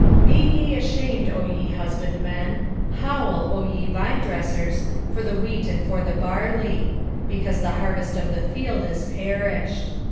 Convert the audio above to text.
1:11 Be ye ashamed, O ye husbandmen; howl, O ye vinedressers, for the wheat and for the barley; because the harvest of the field is perished.